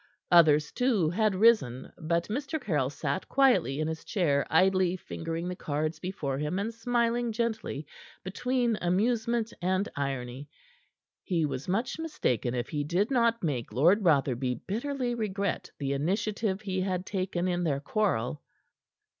Others, too, had risen. But Mr. Caryll sat quietly in his chair, idly fingering the cards before him, and smiling gently, between amusement and irony. He was much mistaken if he did not make Lord Rotherby bitterly regret the initiative he had taken in their quarrel.